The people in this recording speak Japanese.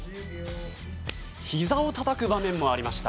ひざをたたく場面もありました。